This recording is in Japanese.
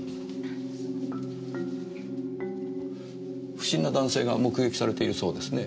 不審な男性が目撃されているそうですね？